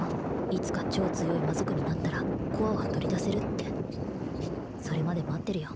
いつか超強い魔族になったらコアは取り出せるってそれまで待ってるよ